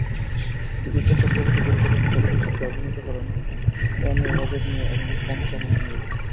বিদীপ্তা চক্রবর্তী পরিচালিত চলচ্চিত্রটিতে অভিনয় করেন এম এ ওয়াজেদ মিয়া এবং পঞ্চানন নিয়োগী।